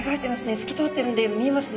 透き通ってるんで見えますね。